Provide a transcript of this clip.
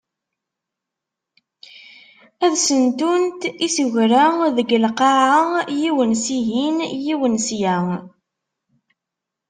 Ad sentunt isegra deg lqaɛa, yiwen sihin, yiwen sya.